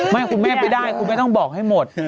คุณแม่ไม่ได้คุณแม่ต้องบอกให้หมด